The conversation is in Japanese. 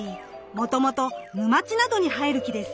もともと沼地などに生える木です。